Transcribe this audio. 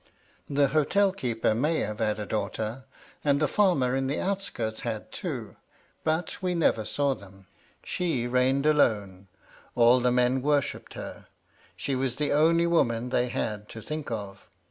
The hotel keeper may have had a daughter, and the farmer in the outskirts had two, but we never saw them. She reigned alone. All the men worshipped her. She was the only woman they had to think of.